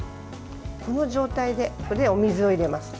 この状態でお水を入れます。